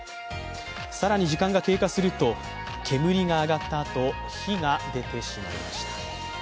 更に時間が経過すると、煙が上がったあと、火が出てしまいました。